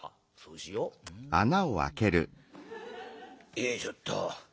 よいしょっと。